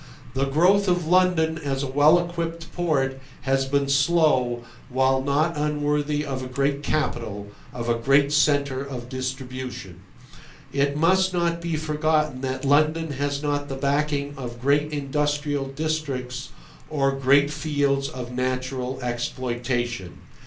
The growth of London as a well equipped port has been slow, while not unworthy of a great capital, of a great centre of distribution. It must not be forgotten that London has not the backing of great industrial districts or great fields of natural exploitation.